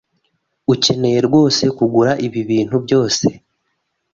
Ukeneye rwose kugura ibi bintu byose?